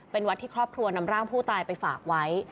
เป็นวัดที่ครอบครัวนำร่างผู้ตายไปฝากไว้